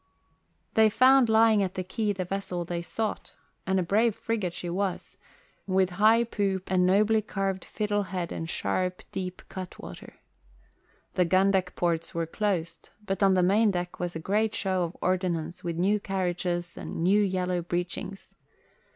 They found lying at the quay the vessel they sought, and a brave frigate she was, with high poop and nobly carved fiddlehead and sharp, deep cutwater. The gun deck ports were closed, but on the main deck was a great show of ordnance with new carriages and new yellow breechings.